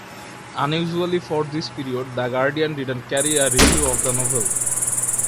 Unusually for this period, "The Guardian" didn't carry a review of the novel.